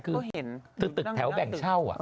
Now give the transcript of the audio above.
ก็เห็นตึกแถวแบ่งเช่า